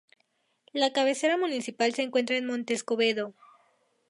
La cabecera municipal se encuentra en Monte Escobedo.